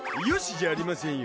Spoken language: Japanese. じゃありませんよ。